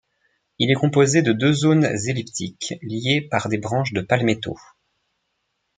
Il est composé de deux zones elliptiques, liées par des branches de palmetto.